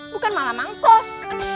bukan malah mangkos